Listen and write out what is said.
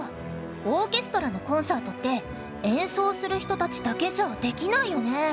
オーケストラのコンサートって演奏する人たちだけじゃできないよね？